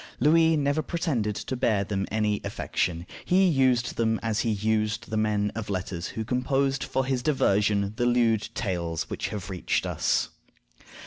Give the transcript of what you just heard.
Louis never pretended to bear them any affection; he used them as he used the men of letters who composed for his diversion the lewd tales which have reached us.